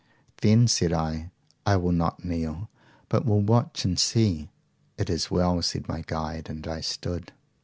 Then said I, I will not kneel, but will watch and see. It is well, said my guide; and I stood.